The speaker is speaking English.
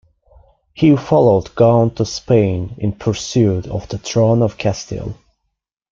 He followed Gaunt to Spain in pursuit of the throne of Castile.